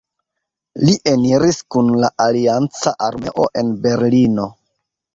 Li eniris kun la alianca armeo en Berlino.